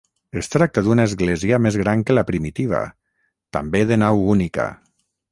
Es tracta d'una església més gran que la primitiva, també de nau única.